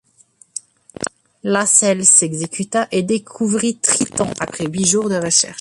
Lassell s'exécuta et découvrit Triton après huit jours de recherches.